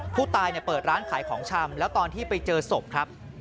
ผู้ตายเปิดร้านขายของชำแล้วตอนที่ไปเจอศพครับ